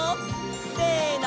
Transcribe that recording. せの！